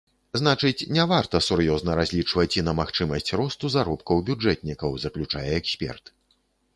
Значыць, не варта сур'ёзна разлічваць і на магчымасць росту заробкаў бюджэтнікаў, заключае эксперт.